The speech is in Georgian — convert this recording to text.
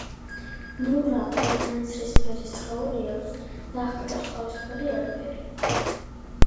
მურა ან ნაცრისფერი სხეული აქვს, დაჰკრავს ყავისფერი ელფერი.